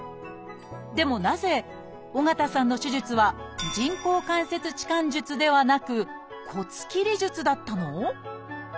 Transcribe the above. でもなぜ緒方さんの手術は人工関節置換術ではなく骨切り術だったの？